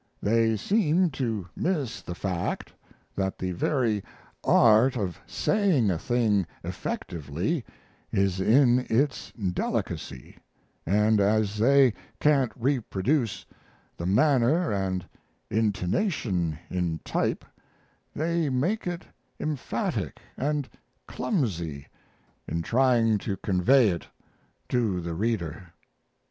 They seem to miss the fact that the very art of saying a thing effectively is in its delicacy, and as they can't reproduce the manner and intonation in type they make it emphatic and clumsy in trying to convey it to the reader."